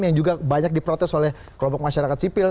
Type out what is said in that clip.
yang juga banyak diprotes oleh kelompok masyarakat sipil